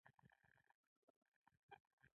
د مړي ځنګنونه شخ پاتې وو.